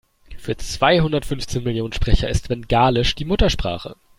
Für zweihundertfünfzehn Millionen Sprecher ist Bengalisch die Muttersprache.